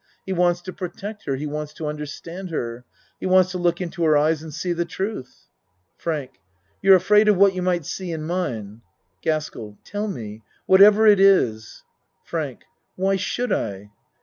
He wants to protect her he wants to understand her. He wants to look into her eyes and see the truth. FRANK You're afraid of what you might see in mine? GASKELL Tell me what ever it is. FRANK Why should I?